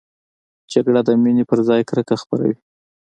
جګړه د مینې پر ځای کرکه خپروي